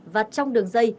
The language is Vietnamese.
và trong đường dây